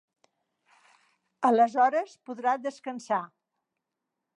Aleshores podrà descansar.